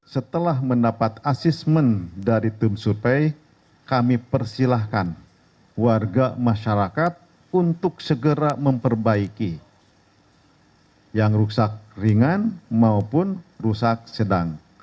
setelah mendapat asismen dari tim survei kami persilahkan warga masyarakat untuk segera memperbaiki yang rusak ringan maupun rusak sedang